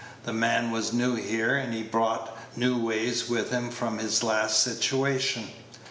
The man was new here, and he brought new ways with him from his last situation.